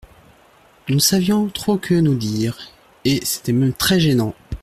Nous ne savions trop que nous dire, Et c’était même très gênant !